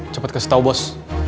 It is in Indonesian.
cepet kasih tau bos